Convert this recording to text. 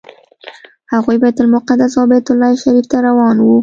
هغوی بیت المقدس او بیت الله شریف ته روان وو.